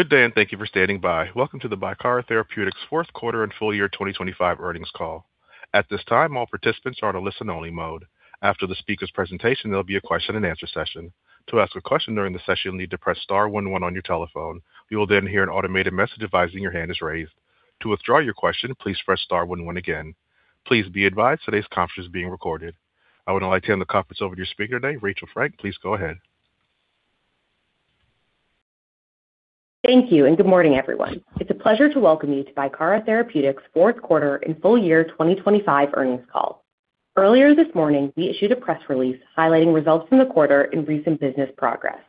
Good day, and thank you for standing by. Welcome to the Bicara Therapeutics Q4 and full year 2025 Earnings Call. At this time, all participants are on a listen-only mode. After the speaker's presentation, there'll be a question-and-answer session. To ask a question during the session, you'll need to press star one one on your telephone. You will then hear an automated message advising your hand is raised. To withdraw your question, please press star one one again. Please be advised today's conference is being recorded. I would now like to hand the conference over to your speaker today, Rachel Frank. Please go ahead. Thank you, and good morning, everyone. It's a pleasure to welcome you to Bicara Therapeutics Q4 and full year 2025 earnings call. Earlier this morning, we issued a press release highlighting results from the quarter and recent business progress.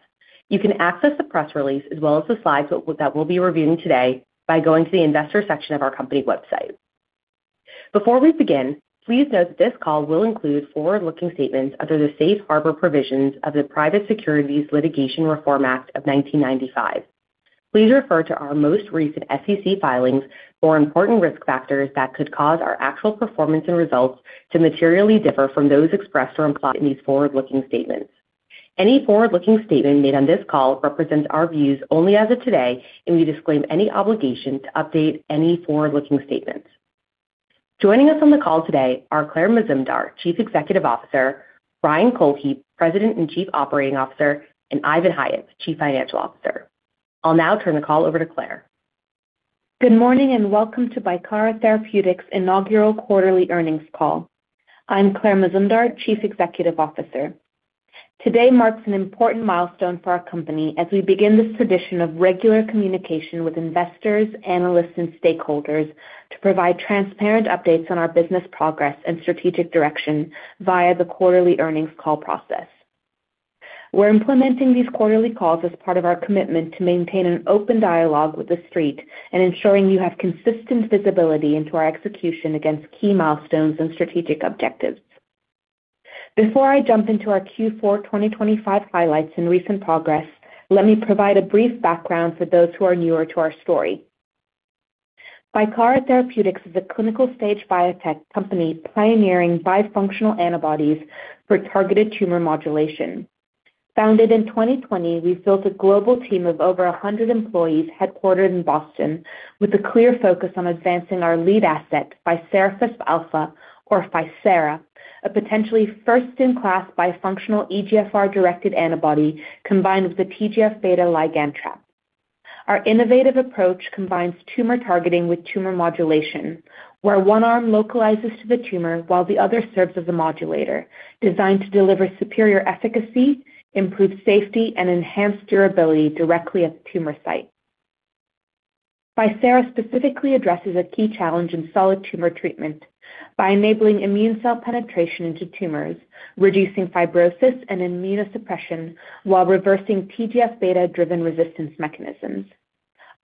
You can access the press release as well as the slides that we'll be reviewing today by going to the investor section of our company website. Before we begin, please note that this call will include forward-looking statements under the safe harbor provisions of the Private Securities Litigation Reform Act of 1995. Please refer to our most recent SEC filings for important risk factors that could cause our actual performance and results to materially differ from those expressed or implied in these forward-looking statements. Any forward-looking statement made on this call represents our views only as of today, and we disclaim any obligation to update any forward-looking statements. Joining us on the call today are Claire Mazumdar, Chief Executive Officer, Ryan Cohlhepp, President and Chief Operating Officer, and Ivan Hyep, Chief Financial Officer. I'll now turn the call over to Claire. Good morning, and welcome to Bicara Therapeutics' inaugural quarterly earnings call. I'm Claire Mazumdar, Chief Executive Officer. Today marks an important milestone for our company as we begin this tradition of regular communication with investors, analysts, and stakeholders to provide transparent updates on our business progress and strategic direction via the quarterly earnings call process. We're implementing these quarterly calls as part of our commitment to maintain an open dialogue with the Street and ensuring you have consistent visibility into our execution against key milestones and strategic objectives. Before I jump into our Q4 2025 highlights and recent progress, let me provide a brief background for those who are newer to our story. Bicara Therapeutics is a clinical-stage biotech company pioneering bifunctional antibodies for targeted tumor modulation. Founded in 2020, we've built a global team of over 100 employees headquartered in Boston with a clear focus on advancing our lead asset, ficerafusp alfa or ficera, a potentially first-in-class bifunctional EGFR-directed antibody combined with the TGF-beta ligand trap. Our innovative approach combines tumor targeting with tumor modulation, where one arm localizes to the tumor while the other serves as a modulator designed to deliver superior efficacy, improve safety, and enhance durability directly at the tumor site. Ficerafusp alfa specifically addresses a key challenge in solid tumor treatment by enabling immune cell penetration into tumors, reducing fibrosis and immunosuppression while reversing TGF-beta-driven resistance mechanisms.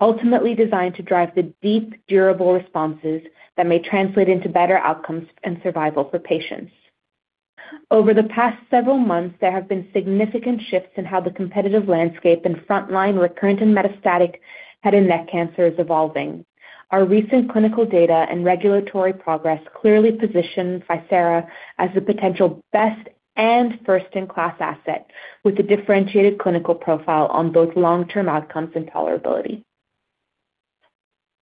Ultimately designed to drive the deep, durable responses that may translate into better outcomes and survival for patients. Over the past several months, there have been significant shifts in how the competitive landscape in frontline recurrent and metastatic head and neck cancer is evolving. Our recent clinical data and regulatory progress clearly position Bicara as the potential best and first-in-class asset with a differentiated clinical profile on both long-term outcomes and tolerability.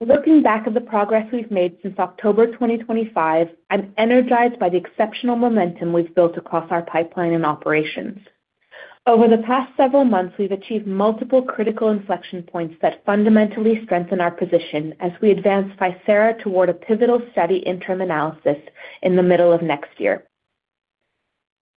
Looking back at the progress we've made since October 2025, I'm energized by the exceptional momentum we've built across our pipeline and operations. Over the past several months, we've achieved multiple critical inflection points that fundamentally strengthen our position as we advance Bicara toward a pivotal study interim analysis in the middle of next year.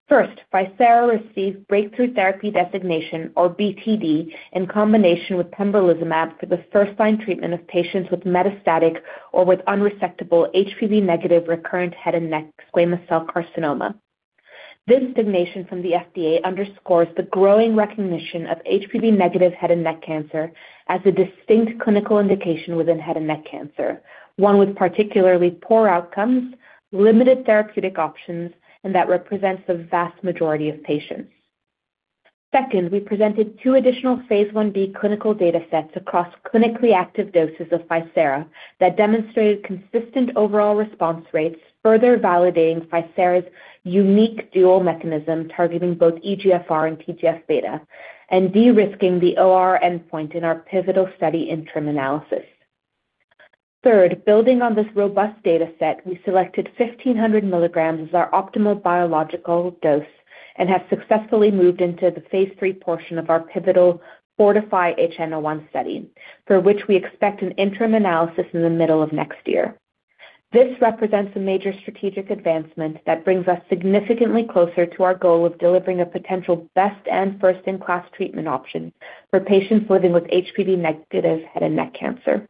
First, Bicara received breakthrough therapy designation or BTD in combination with pembrolizumab for the first-line treatment of patients with metastatic or unresectable HPV-negative recurrent head and neck squamous cell carcinoma. This designation from the FDA underscores the growing recognition of HPV-negative head and neck cancer as a distinct clinical indication within head and neck cancer, one with particularly poor outcomes, limited therapeutic options, and that represents the vast majority of patients. Second, we presented two additional phase I-B clinical datasets across clinically active doses of Bicara that demonstrated consistent overall response rates, further validating Bicara's unique dual mechanism targeting both EGFR and TGF-beta and de-risking the ORR endpoint in our pivotal study interim analysis. Third, building on this robust dataset, we selected 1,500 mg as our optimal biological dose and have successfully moved into the phase III portion of our pivotal FORTIFY-HN01 study, for which we expect an interim analysis in the middle of next year. This represents a major strategic advancement that brings us significantly closer to our goal of delivering a potential best and first-in-class treatment option for patients living with HPV-negative head and neck cancer.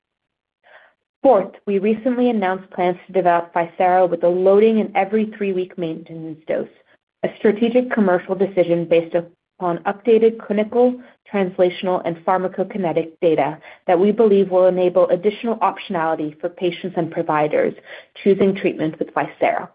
Fourth, we recently announced plans to develop ficerafusp alfa with a loading and every three-week maintenance dose, a strategic commercial decision based upon updated clinical, translational, and pharmacokinetic data that we believe will enable additional optionality for patients and providers choosing treatment with ficerafusp alfa.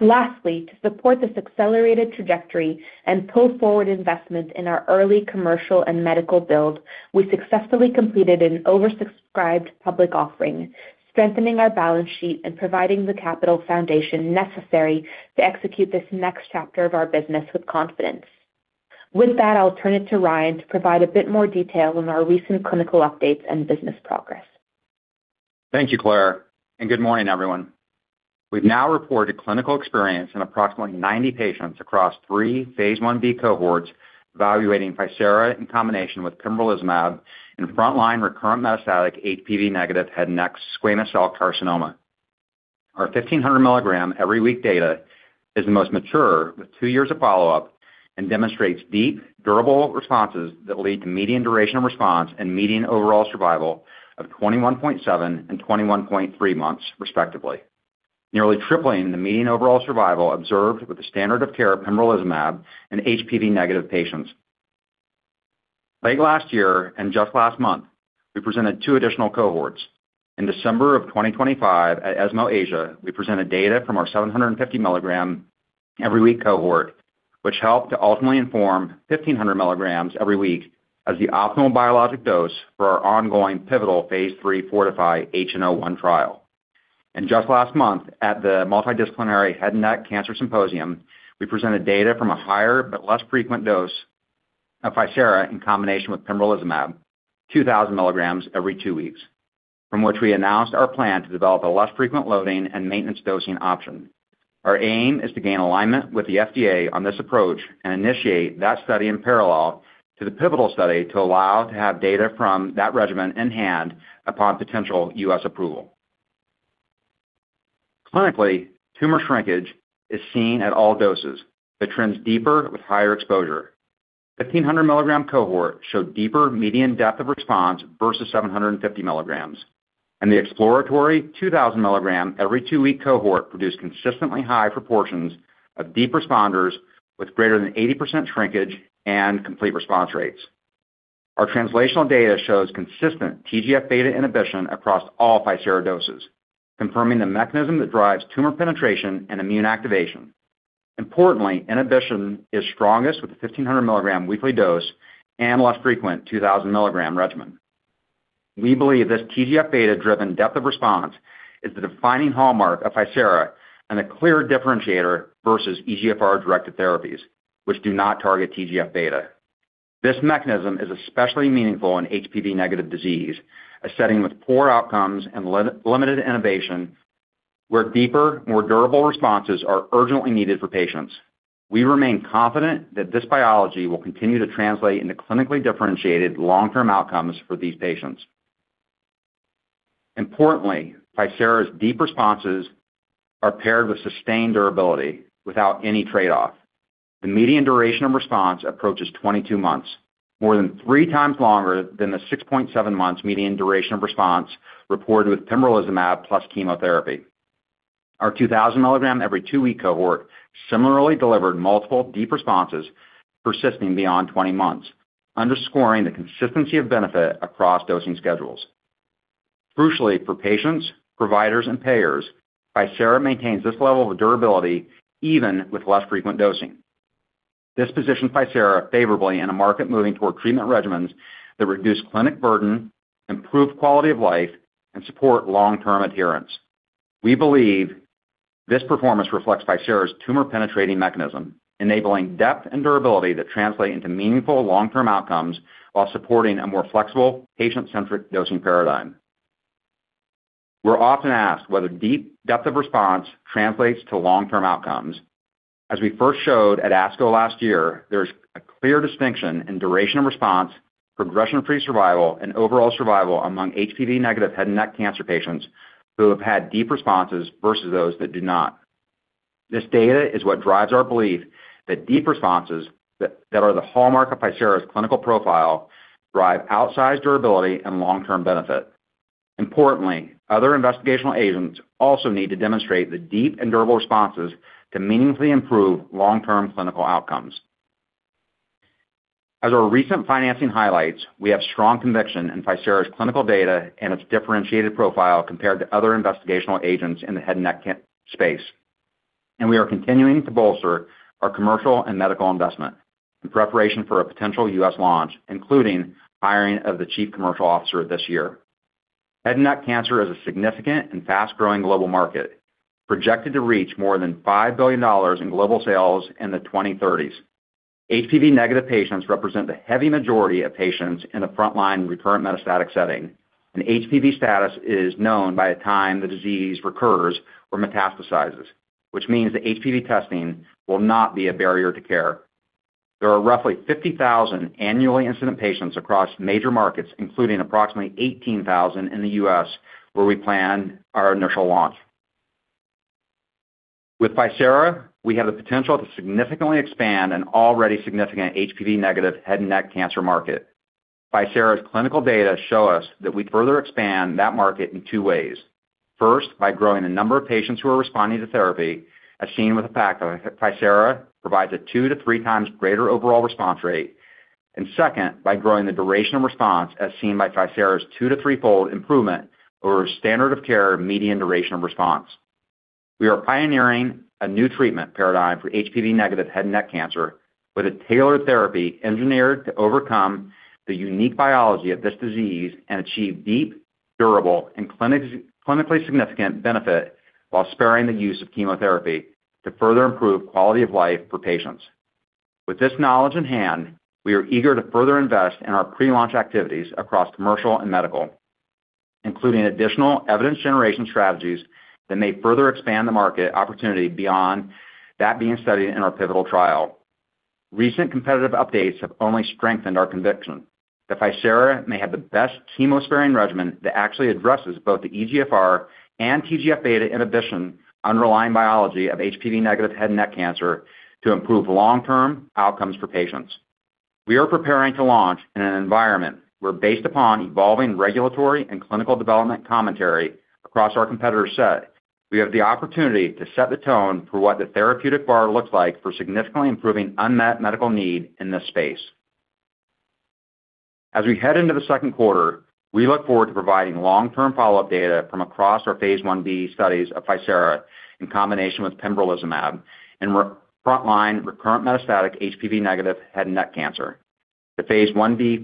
Lastly, to support this accelerated trajectory and pull forward investments in our early commercial and medical build, we successfully completed an oversubscribed public offering, strengthening our balance sheet and providing the capital foundation necessary to execute this next chapter of our business with confidence. With that, I'll turn it to Ryan to provide a bit more detail on our recent clinical updates and business progress. Thank you, Claire, and good morning everyone. We've now reported clinical experience in approximately 90 patients across three phase Ib cohorts evaluating ficerafusp alfa in combination with pembrolizumab in frontline recurrent metastatic HPV-negative head and neck squamous cell carcinoma. Our 1,500 mg every week data is the most mature with 2 years of follow-up and demonstrates deep durable responses that lead to median duration of response and median overall survival of 21.7 and 21.3 months respectively. Nearly tripling the median overall survival observed with the standard of care pembrolizumab in HPV-negative patients. Late last year and just last month, we presented two additional cohorts. In December 2025 at ESMO Asia, we presented data from our 750-milligram every-week cohort, which helped to ultimately inform 1,500 milligrams every week as the optimal biological dose for our ongoing pivotal phase III FORTIFY-HN01 trial. Just last month at the Multidisciplinary Head and Neck Cancers Symposium, we presented data from a higher but less frequent dose of ficerafusp alfa in combination with pembrolizumab, 2,000 milligrams every two weeks, from which we announced our plan to develop a less frequent loading and maintenance dosing option. Our aim is to gain alignment with the FDA on this approach and initiate that study in parallel to the pivotal study to allow to have data from that regimen in hand upon potential U.S. approval. Clinically, tumor shrinkage is seen at all doses. It trends deeper with higher exposure. 1,500 milligram cohort showed deeper median depth of response versus 750 milligrams, and the exploratory 2,000 milligram every two-week cohort produced consistently high proportions of deep responders with greater than 80% shrinkage and complete response rates. Our translational data shows consistent TGF-beta inhibition across all ficerafusp alfa doses, confirming the mechanism that drives tumor penetration and immune activation. Importantly, inhibition is strongest with the 1,500 milligram weekly dose and less frequent 2,000 milligram regimen. We believe this TGF-beta-driven depth of response is the defining hallmark of ficerafusp alfa and a clear differentiator versus EGFR-directed therapies, which do not target TGF-beta. This mechanism is especially meaningful in HPV negative disease, a setting with poor outcomes and limited inhibition where deeper, more durable responses are urgently needed for patients. We remain confident that this biology will continue to translate into clinically differentiated long-term outcomes for these patients. Importantly, ficerafusp alfa's deep responses are paired with sustained durability without any trade-off. The median duration of response approaches 22 months, more than three times longer than the 6.7 months median duration of response reported with pembrolizumab plus chemotherapy. Our 2,000 mg every two-week cohort similarly delivered multiple deep responses persisting beyond 20 months, underscoring the consistency of benefit across dosing schedules. Crucially for patients, providers and payers, ficerafusp alfa maintains this level of durability even with less frequent dosing. This positions ficerafusp alfa favorably in a market moving toward treatment regimens that reduce clinic burden, improve quality of life and support long-term adherence. We believe this performance reflects ficerafusp alfa's tumor-penetrating mechanism, enabling depth and durability that translate into meaningful long-term outcomes while supporting a more flexible patient-centric dosing paradigm. We're often asked whether deep depth of response translates to long-term outcomes. As we first showed at ASCO last year, there's a clear distinction in duration of response, progression-free survival and overall survival among HPV negative head and neck cancer patients who have had deep responses versus those that do not. This data is what drives our belief that deep responses that are the hallmark of ficerafusp alfa's clinical profile drive outsized durability and long-term benefit. Importantly, other investigational agents also need to demonstrate the deep and durable responses to meaningfully improve long-term clinical outcomes. As our recent financing highlights, we have strong conviction in ficerafusp alfa's clinical data and its differentiated profile compared to other investigational agents in the head and neck cancer space, and we are continuing to bolster our commercial and medical investment in preparation for a potential U.S. launch, including hiring of the Chief Commercial Officer this year. Head and neck cancer is a significant and fast-growing global market projected to reach more than $5 billion in global sales in the 2030s. HPV-negative patients represent the heavy majority of patients in the front-line recurrent metastatic setting. An HPV status is known by the time the disease recurs or metastasizes, which means that HPV testing will not be a barrier to care. There are roughly 50,000 annually incident patients across major markets, including approximately 18,000 in the U.S. where we plan our initial launch. With ficerafusp alfa, we have the potential to significantly expand an already significant HPV-negative head and neck cancer market. Ficerafusp alfa's clinical data show us that we further expand that market in 2 ways. First, by growing the number of patients who are responding to therapy, as seen with the fact that ficerafusp alfa provides a 2-3 times greater overall response rate. Second, by growing the duration of response as seen by ficerafusp alfa's 2- to threefold improvement over standard of care median duration of response. We are pioneering a new treatment paradigm for HPV negative head and neck cancer with a tailored therapy engineered to overcome the unique biology of this disease and achieve deep, durable and clinically significant benefit while sparing the use of chemotherapy to further improve quality of life for patients. With this knowledge in hand, we are eager to further invest in our pre-launch activities across commercial and medical, including additional evidence generation strategies that may further expand the market opportunity beyond that being studied in our pivotal trial. Recent competitive updates have only strengthened our conviction that ficerafusp alfa may have the best chemo-sparing regimen that actually addresses both the EGFR and TGF-beta inhibition underlying biology of HPV-negative head and neck cancer to improve long-term outcomes for patients. We are preparing to launch in an environment where, based upon evolving regulatory and clinical development commentary across our competitor set, we have the opportunity to set the tone for what the therapeutic bar looks like for significantly improving unmet medical need in this space. As we head into the Q2, we look forward to providing long-term follow-up data from across our phase Ib studies of ficerafusp alfa in combination with pembrolizumab in frontline recurrent metastatic HPV-negative head and neck cancer. The phase Ib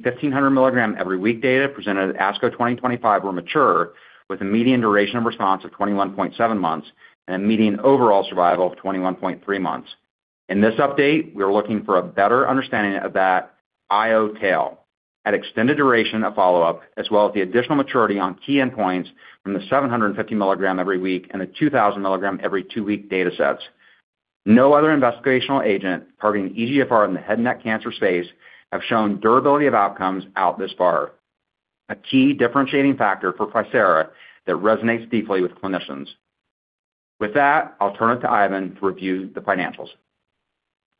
1500 mg every week data presented at ASCO 2025 were mature, with a median duration of response of 21.7 months and a median overall survival of 21.3 months. In this update, we are looking for a better understanding of that IO tail at extended duration of follow-up, as well as the additional maturity on key endpoints from the 750 mg every week and the 2000 mg every two weeks data sets. No other investigational agent targeting EGFR in the head and neck cancer space have shown durability of outcomes out this far, a key differentiating factor for ficerafusp alfa that resonates deeply with clinicians. With that, I'll turn it to Ivan to review the financials.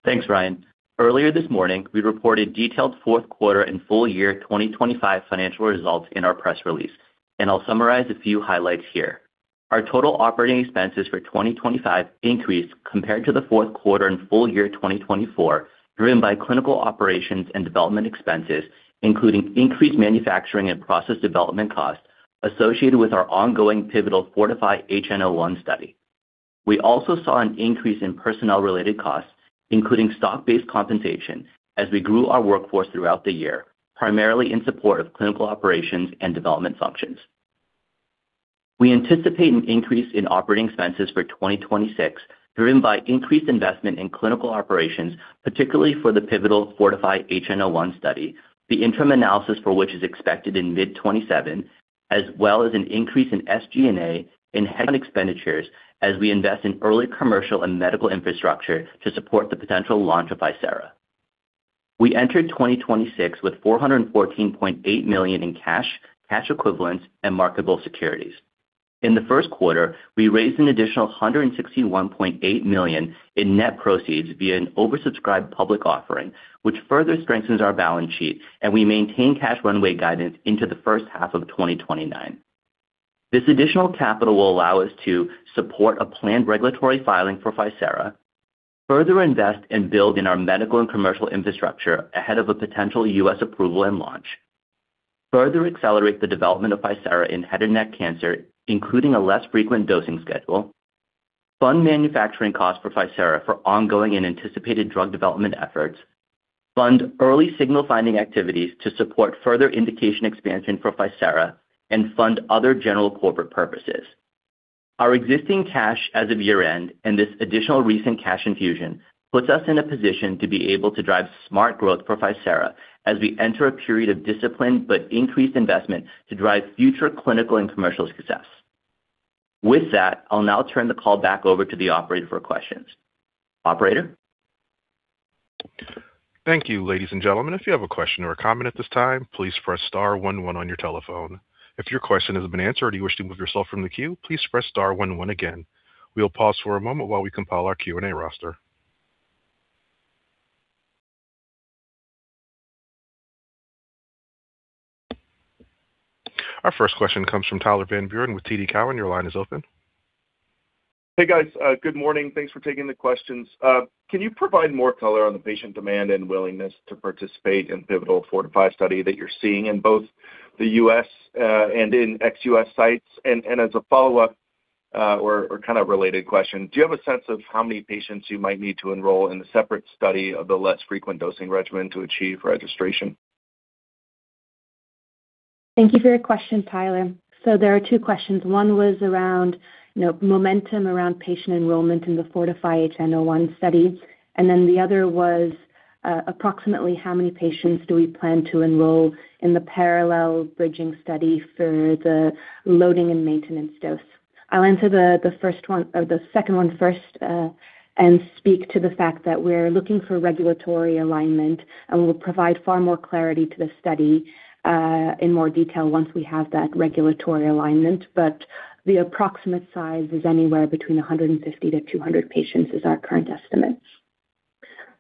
Thanks, Ryan. Earlier this morning, we reported detailed Q4 and full year 2025 financial results in our press release, and I'll summarize a few highlights here. Our total operating expenses for 2025 increased compared to the Q4 and full year 2024, driven by clinical operations and development expenses, including increased manufacturing and process development costs associated with our ongoing pivotal FORTIFY-HN01 study. We also saw an increase in personnel-related costs, including stock-based compensation, as we grew our workforce throughout the year, primarily in support of clinical operations and development functions. We anticipate an increase in operating expenses for 2026, driven by increased investment in clinical operations, particularly for the pivotal FORTIFY-HN01 study, the interim analysis for which is expected in mid-2027, as well as an increase in SG&A and head count expenditures as we invest in early commercial and medical infrastructure to support the potential launch of ficerafusp alfa. We entered 2026 with $414.8 million in cash equivalents, and marketable securities. In the Q1, we raised an additional $161.8 million in net proceeds via an oversubscribed public offering, which further strengthens our balance sheet, and we maintain cash runway guidance into the first half of 2029. This additional capital will allow us to support a planned regulatory filing for ficerafusp alfa, further invest and build in our medical and commercial infrastructure ahead of a potential U.S. approval and launch, further accelerate the development of ficerafusp alfa in head and neck cancer, including a less frequent dosing schedule, fund manufacturing costs for ficerafusp alfa for ongoing and anticipated drug development efforts, fund early signal finding activities to support further indication expansion for ficerafusp alfa, and fund other general corporate purposes. Our existing cash as of year-end and this additional recent cash infusion puts us in a position to be able to drive smart growth for ficerafusp alfa as we enter a period of discipline but increased investment to drive future clinical and commercial success. With that, I'll now turn the call back over to the operator for questions. Operator? Thank you, ladies and gentlemen. If you have a question or a comment at this time, please press star one one on your telephone. If your question has been answered or you wish to remove yourself from the queue, please press star one one again. We'll pause for a moment while we compile our Q&A roster. Our first question comes from Tyler Van Buren with TD Cowen. Your line is open. Hey, guys. Good morning. Thanks for taking the questions. Can you provide more color on the patient demand and willingness to participate in pivotal FORTIFY study that you're seeing in both the U.S. and in ex-U.S. sites? As a follow-up, or kind of related question, do you have a sense of how many patients you might need to enroll in the separate study of the less frequent dosing regimen to achieve registration? Thank you for your question, Tyler. There are two questions. One was around, you know, momentum around patient enrollment in the FORTIFY-HN01 study, and then the other was approximately how many patients do we plan to enroll in the parallel bridging study for the loading and maintenance dose. I'll answer the second one first, and speak to the fact that we're looking for regulatory alignment and we'll provide far more clarity to the study in more detail once we have that regulatory alignment. The approximate size is anywhere between 150-200 patients is our current estimate.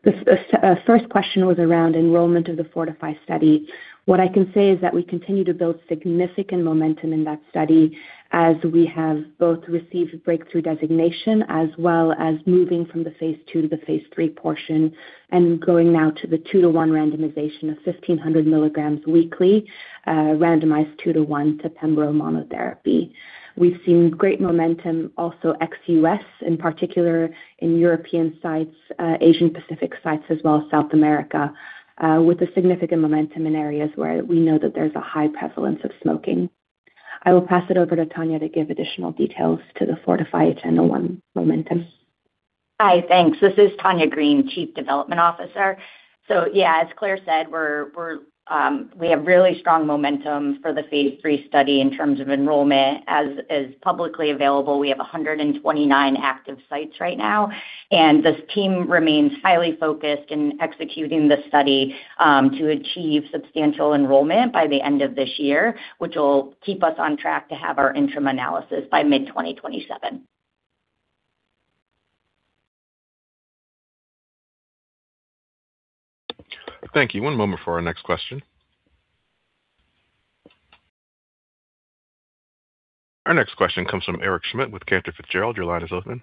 The first question was around enrollment of the FORTIFY-HN01 study. What I can say is that we continue to build significant momentum in that study as we have both received breakthrough designation as well as moving from the phase II to the phase III portion and going now to the 2-to-1 randomization of 1,500 milligrams weekly, randomized 2-to-1 to pembro monotherapy. We've seen great momentum also ex-U.S., in particular in European sites, Asian Pacific sites, as well as South America, with a significant momentum in areas where we know that there's a high prevalence of smoking. I will pass it over to Tanya to give additional details to the FORTIFY-HN01 momentum. Hi, thanks. This is Tanya Green, Chief Development Officer. Yeah, as Claire said, we have really strong momentum for the phase III study in terms of enrollment. As publicly available, we have 129 active sites right now, and this team remains highly focused in executing the study to achieve substantial enrollment by the end of this year, which will keep us on track to have our interim analysis by mid-2027. Thank you. One moment for our next question. Our next question comes from Eric Schmidt with Cantor Fitzgerald. Your line is open.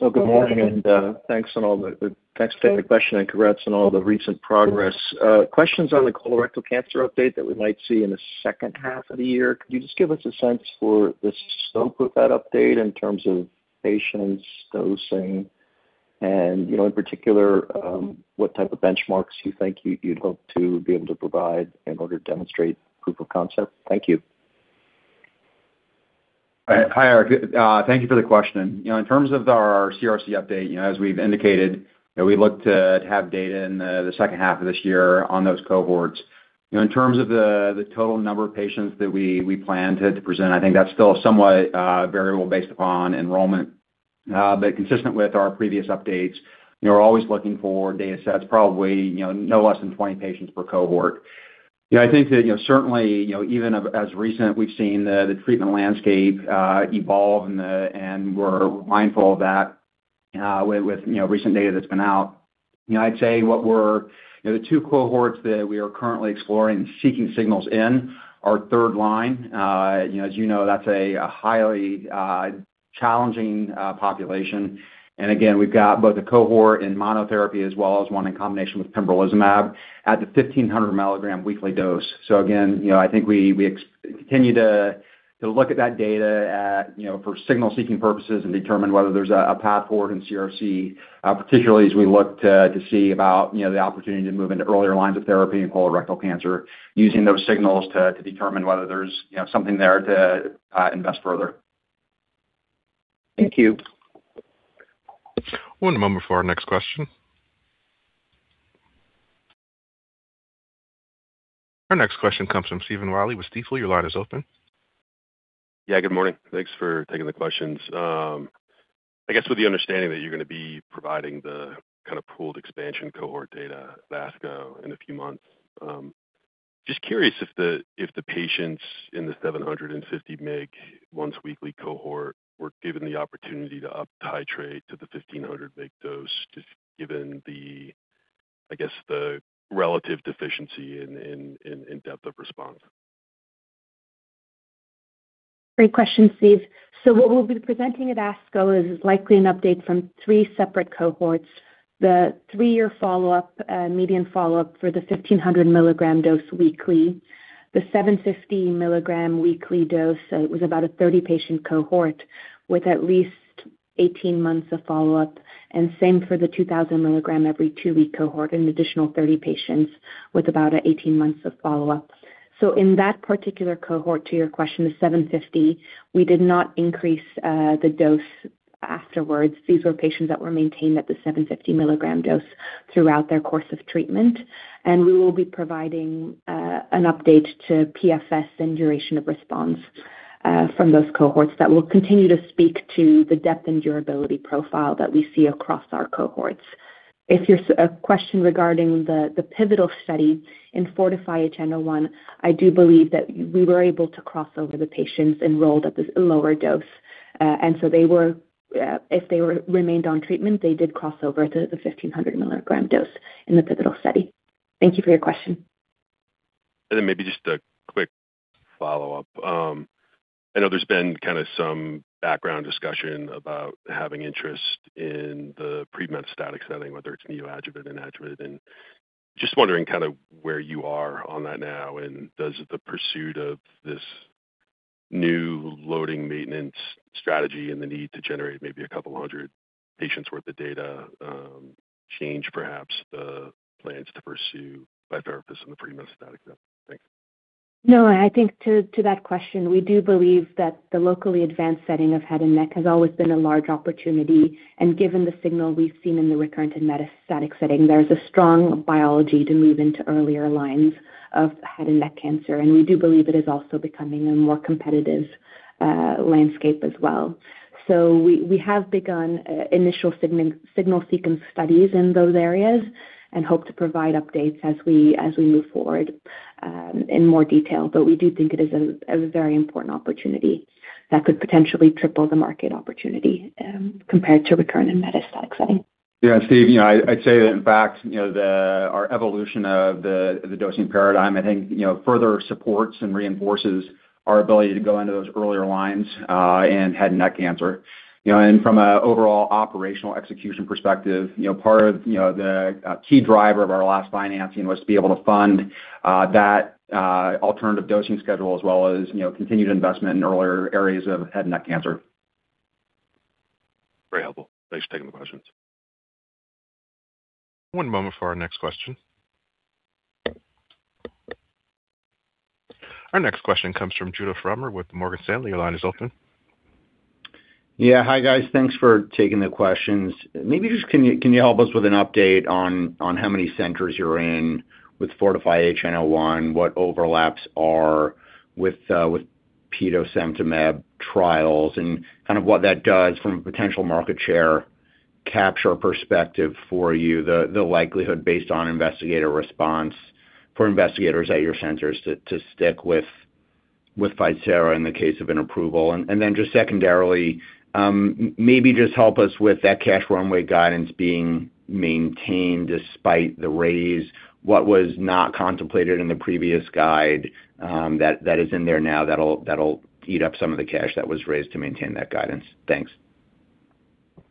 Well, good morning and thanks for taking the question and congrats on all the recent progress. Questions on the colorectal cancer update that we might see in the second half of the year. Could you just give us a sense for the scope of that update in terms of patients dosing and, you know, in particular, what type of benchmarks you think you'd hope to be able to provide in order to demonstrate proof of concept? Thank you. Hi, Eric. Thank you for the question. You know, in terms of our CRC update, you know, as we've indicated, you know, we look to have data in the second half of this year on those cohorts. You know, in terms of the total number of patients that we plan to present, I think that's still somewhat variable based upon enrollment. Consistent with our previous updates, you know, we're always looking for datasets, probably, you know, no less than 20 patients per cohort. You know, I think that, you know, certainly, you know, even as recent, we've seen the treatment landscape evolve and we're mindful of that with, you know, recent data that's been out. You know, I'd say what we're... You know, the two cohorts that we are currently exploring, seeking signals in are third line. You know, as you know, that's a highly challenging population. Again, we've got both a cohort in monotherapy as well as one in combination with pembrolizumab at the 1,500 mg weekly dose. Again, you know, I think we continue to look at that data, you know, for signal-seeking purposes and determine whether there's a path forward in CRC, particularly as we look to see about, you know, the opportunity to move into earlier lines of therapy in colorectal cancer, using those signals to determine whether there's, you know, something there to invest further. Thank you. One moment for our next question. Our next question comes from Stephen Willey with Stifel. Your line is open. Yeah, good morning. Thanks for taking the questions. I guess with the understanding that you're gonna be providing the kind of pooled expansion cohort data at ASCO in a few months, just curious if the patients in the 750 mg once weekly cohort were given the opportunity to uptitrate to the 1500 mg dose, just given the, I guess, the relative deficiency in depth of response. Great question, Steve. What we'll be presenting at ASCO is likely an update from three separate cohorts. The 3-year follow-up median follow-up for the 1500 mg dose weekly, the 750 mg weekly dose, it was about a 30-patient cohort with at least 18 months of follow-up, and same for the 2000 mg every two-week cohort, an additional 30 patients with about 18 months of follow-up. In that particular cohort, to your question, the 750, we did not increase the dose afterwards. These were patients that were maintained at the 750 mg dose throughout their course of treatment, and we will be providing an update to PFS and duration of response from those cohorts that will continue to speak to the depth and durability profile that we see across our cohorts. If your question regarding the pivotal study in FORTIFY-HN01, I do believe that we were able to cross over the patients enrolled at this lower dose. If they remained on treatment, they did cross over to the 1500 mg dose in the pivotal study. Thank you for your question. Maybe just a quick follow-up. I know there's been kinda some background discussion about having interest in the pre-metastatic setting, whether it's neoadjuvant and adjuvant, and just wondering kinda where you are on that now? Does the pursuit of this new loading maintenance strategy and the need to generate maybe 200 patients worth of data, change perhaps the plans to pursue biotherapeutics in the pre-metastatic setting? Thanks. No, I think to that question, we do believe that the locally advanced setting of head and neck has always been a large opportunity. Given the signal we've seen in the recurrent and metastatic setting, there's a strong biology to move into earlier lines of head and neck cancer. We do believe it is also becoming a more competitive landscape as well. We have begun initial signal sequence studies in those areas and hope to provide updates as we move forward in more detail. We do think it is a very important opportunity that could potentially triple the market opportunity compared to recurrent and metastatic setting. Yeah, Steve, you know, I'd say that in fact, you know, our evolution of the dosing paradigm, I think, you know, further supports and reinforces our ability to go into those earlier lines in head and neck cancer. From an overall operational execution perspective, you know, part of the key driver of our last financing was to be able to fund that alternative dosing schedule as well as, you know, continued investment in earlier areas of head and neck cancer. One moment for our next question. Our next question comes from Judah Frommer with Morgan Stanley. Your line is open. Yeah. Hi, guys. Thanks for taking the questions. Maybe you can help us with an update on how many centers you're in with FORTIFY-HN01. What overlaps are with petosemtamab trials and kind of what that does from a potential market share capture perspective for you, the likelihood based on investigator response for investigators at your centers to stick with ficerafusp alfa in the case of an approval. Then secondarily, maybe you can help us with that cash runway guidance being maintained despite the raise. What was not contemplated in the previous guide that is in there now that'll eat up some of the cash that was raised to maintain that guidance. Thanks.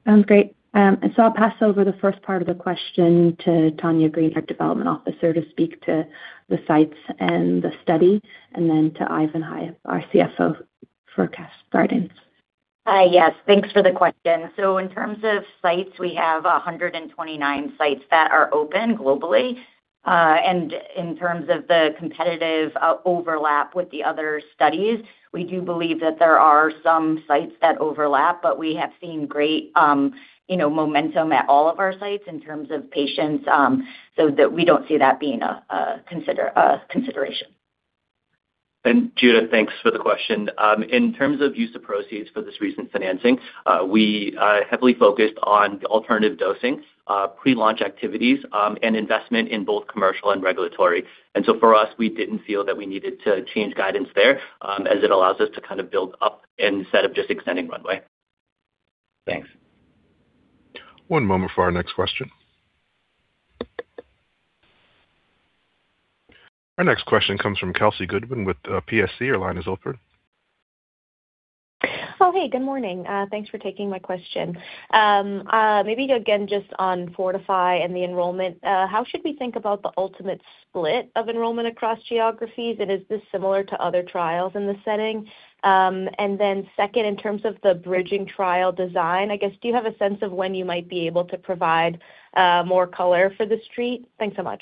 Sounds great. I'll pass over the first part of the question to Tanya Green, our Development Officer, to speak to the sites and the study, and then to Ivan Hyep, our CFO, for cash guidance. Yes, thanks for the question. In terms of sites, we have 129 sites that are open globally. In terms of the competitive overlap with the other studies, we do believe that there are some sites that overlap, but we have seen great, you know, momentum at all of our sites in terms of patients, so that we don't see that being a consideration. Judah, thanks for the question. In terms of use of proceeds for this recent financing, we heavily focused on alternative dosing, pre-launch activities, and investment in both commercial and regulatory. For us, we didn't feel that we needed to change guidance there, as it allows us to kind of build up instead of just extending runway. Thanks. One moment for our next question. Our next question comes from Kelsey Goodwin with PSC. Your line is open. Oh, hey, good morning. Thanks for taking my question. Maybe again, just on FORTIFY and the enrollment. How should we think about the ultimate split of enrollment across geographies, and is this similar to other trials in this setting? Second, in terms of the bridging trial design, I guess, do you have a sense of when you might be able to provide more color for the street? Thanks so much.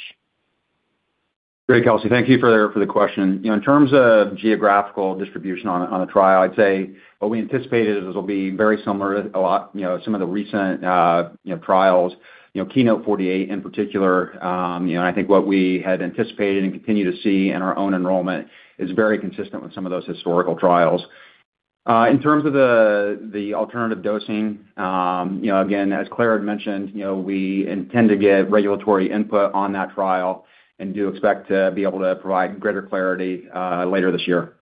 Great, Kelsey. Thank you for the question. You know, in terms of geographical distribution on a trial, I'd say what we anticipated is it'll be very similar a lot, you know, some of the recent trials, you know, KEYNOTE-048 in particular. You know, I think what we had anticipated and continue to see in our own enrollment is very consistent with some of those historical trials. In terms of the alternative dosing, you know, again, as Claire had mentioned, you know, we intend to get regulatory input on that trial and do expect to be able to provide greater clarity later this year.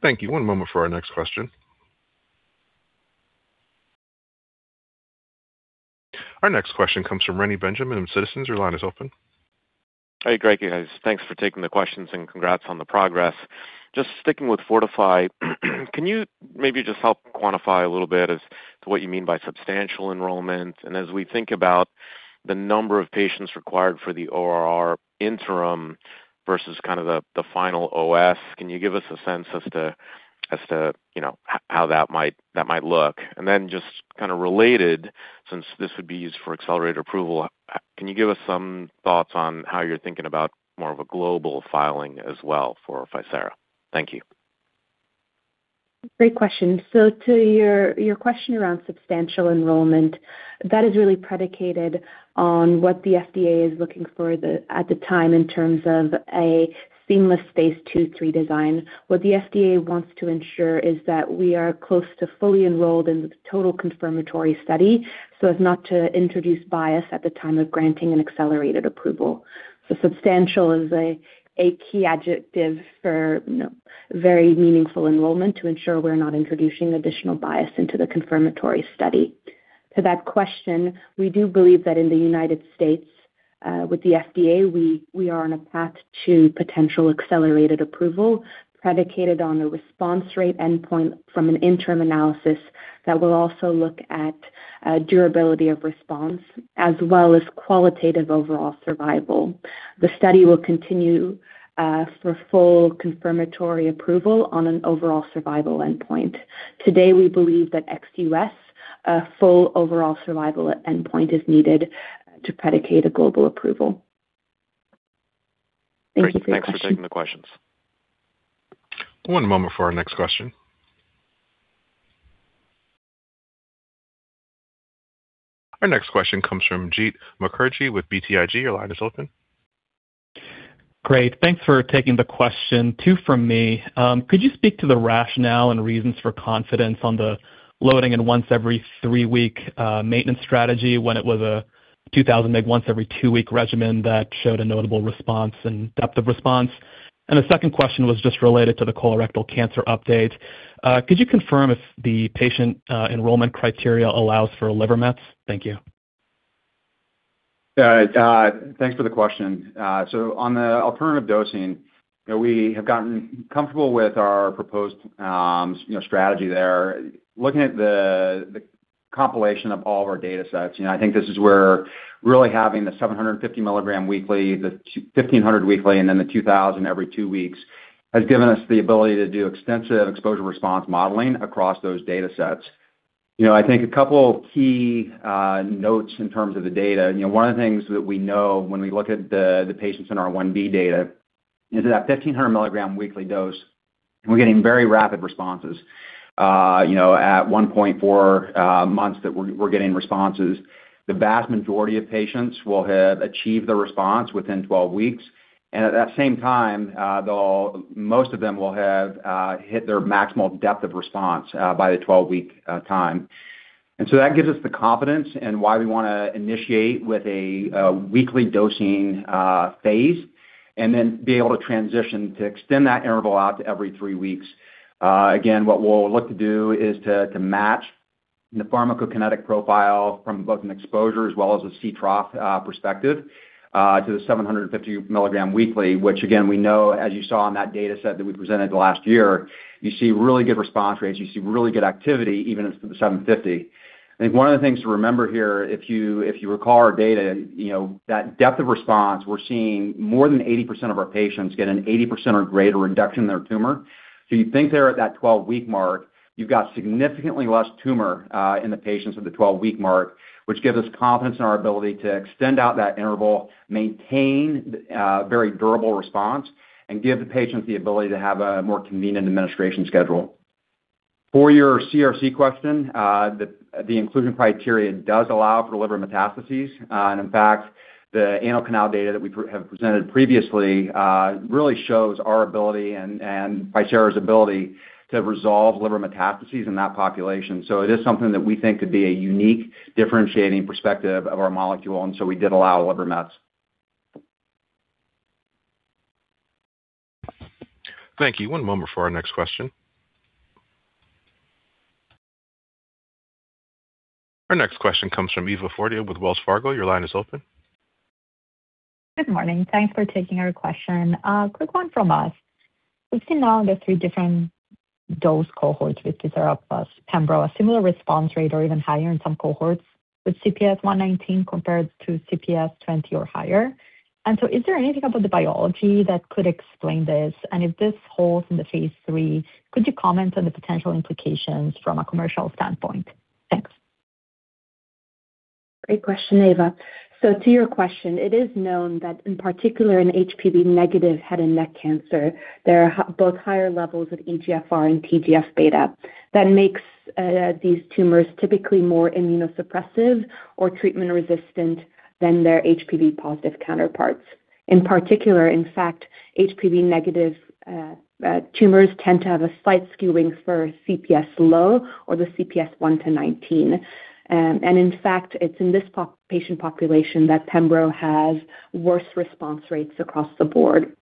Thank you. One moment for our next question. Our next question comes from Reni Benjamin of Citizens. Your line is open. Hey, great. Guys, thanks for taking the questions, and congrats on the progress. Just sticking with FORTIFY, can you maybe just help quantify a little bit as to what you mean by substantial enrollment? And as we think about the number of patients required for the ORR interim versus kind of the final OS, can you give us a sense as to you know how that might look? And then just kind of related, since this would be used for accelerated approval, can you give us some thoughts on how you're thinking about more of a global filing as well for ficerafusp alfa? Thank you. Great question. To your question around substantial enrollment, that is really predicated on what the FDA is looking for at the time in terms of a seamless phase II/III design. What the FDA wants to ensure is that we are close to fully enrolled in the total confirmatory study so as not to introduce bias at the time of granting an accelerated approval. Substantial is a key adjective for, you know, very meaningful enrollment to ensure we're not introducing additional bias into the confirmatory study. To that question, we do believe that in the United States, with the FDA, we are on a path to potential accelerated approval predicated on a response rate endpoint from an interim analysis that will also look at, durability of response as well as qualitative overall survival. The study will continue for full confirmatory approval on an overall survival endpoint. Today, we believe that ex-U.S., a full overall survival endpoint is needed to predicate a global approval. Thank you for your question. Great. Thanks for taking the questions. One moment for our next question. Our next question comes from Jeet Mukherjee with BTIG. Your line is open. Great. Thanks for taking the question. Two from me. Could you speak to the rationale and reasons for confidence on the loading in once every three week maintenance strategy when it was a 2,000 mg once every two week regimen that showed a notable response and depth of response? And the second question was just related to the colorectal cancer update. Could you confirm if the patient enrollment criteria allows for liver mets? Thank you. Yeah. Thanks for the question. On the alternative dosing, you know, we have gotten comfortable with our proposed, you know, strategy there. Looking at the compilation of all of our data sets. You know, I think this is where really having the 750 milligram weekly, the 1500 weekly, and then the 2000 every two weeks has given us the ability to do extensive exposure response modeling across those data sets. You know, I think a couple of key notes in terms of the data. You know, one of the things that we know when we look at the patients in our 1B data is that 1500 milligram weekly dose, we're getting very rapid responses, you know, at 1.4 months that we're getting responses. The vast majority of patients will have achieved the response within 12 weeks, and at that same time, most of them will have hit their maximal depth of response by the 12-week time. That gives us the confidence and why we wanna initiate with a weekly dosing phase and then be able to transition to extend that interval out to every 3 weeks. Again, what we'll look to do is to match the pharmacokinetic profile from both an exposure as well as a C trough perspective to the 750 mg weekly, which again, we know as you saw on that data set that we presented last year, you see really good response rates. You see really good activity even at the 750. I think one of the things to remember here, if you recall our data, you know, that depth of response, we're seeing more than 80% of our patients get an 80% or greater reduction in their tumor. You think they're at that 12-week mark, you've got significantly less tumor in the patients at the 12-week mark, which gives us confidence in our ability to extend out that interval, maintain very durable response, and give the patients the ability to have a more convenient administration schedule. For your CRC question, the inclusion criteria does allow for liver metastases. In fact, the anal canal data that we have presented previously really shows our ability and Bicara's ability to resolve liver metastases in that population. It is something that we think could be a unique differentiating perspective of our molecule, and so we did allow liver mets. Thank you. One moment for our next question. Our next question comes from Eva Fortea with Wells Fargo. Your line is open. Good morning. Thanks for taking our question. Quick one from us. We've seen now the three different dose cohorts with ficerafusp alfa plus pembro, a similar response rate or even higher in some cohorts with CPS 1-19 compared to CPS 20 or higher. Is there anything about the biology that could explain this? If this holds in the phase III, could you comment on the potential implications from a commercial standpoint? Thanks. Great question, Eva. To your question, it is known that in particular in HPV-negative head and neck cancer, there are both higher levels of EGFR and TGF-beta that makes these tumors typically more immunosuppressive or treatment resistant than their HPV-positive counterparts. In particular, in fact, HPV-negative tumors tend to have a slight skewing for CPS low or the CPS 1-19. In fact, it's in this patient population that pembro has worse response rates across the board.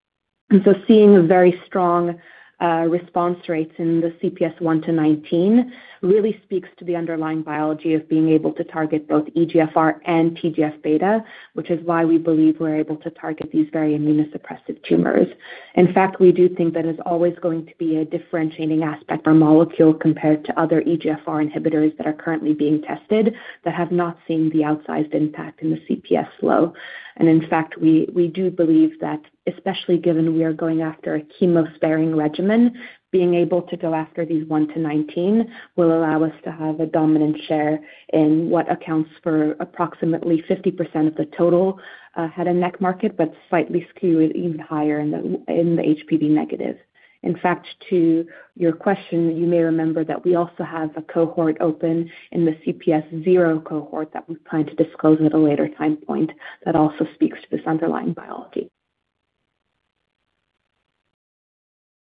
Seeing very strong response rates in the CPS 1-19 really speaks to the underlying biology of being able to target both EGFR and TGF-beta, which is why we believe we're able to target these very immunosuppressive tumors. In fact, we do think that it's always going to be a differentiating aspect of our molecule compared to other EGFR inhibitors that are currently being tested that have not seen the outsized impact in the CPS low. In fact, we do believe that especially given we are going after a chemo-sparing regimen, being able to go after these 1-19 will allow us to have a dominant share in what accounts for approximately 50% of the total head and neck market, but slightly skewed even higher in the HPV negative. In fact, to your question, you may remember that we also have a cohort open in the CPS 0 cohort that we plan to disclose at a later time point that also speaks to this underlying biology.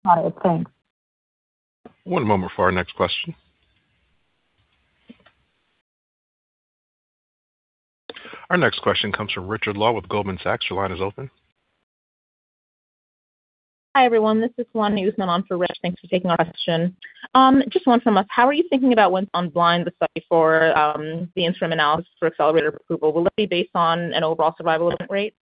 Got it. Thanks. One moment for our next question. Our next question comes from Richard Law with Goldman Sachs. Your line is open. Hi, everyone. This is Lana Usmanova for Rich. Thanks for taking our question. Just one from us. How are you thinking about when to unblind the study for the interim analysis for accelerated approval? Will it be based on an overall survival event rate?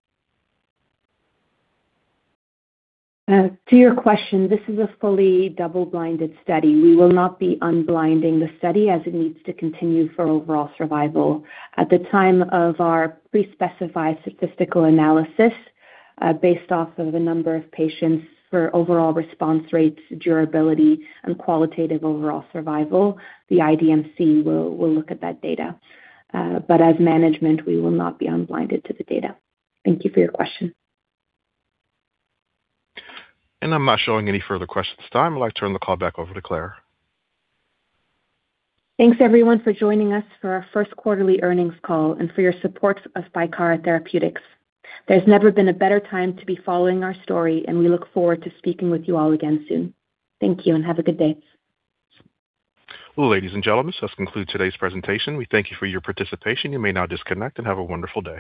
To your question, this is a fully double-blinded study. We will not be unblinding the study as it needs to continue for overall survival. At the time of our pre-specified statistical analysis, based off of the number of patients for overall response rates, durability, and qualitative overall survival, the IDMC will look at that data. But as management, we will not be unblinded to the data. Thank you for your question. I'm not showing any further questions this time. I'd like to turn the call back over to Claire. Thanks, everyone, for joining us for our first quarterly earnings call and for your support of Bicara Therapeutics. There's never been a better time to be following our story, and we look forward to speaking with you all again soon. Thank you, and have a good day. Ladies and gentlemen, this concludes today's presentation. We thank you for your participation. You may now disconnect and have a wonderful day.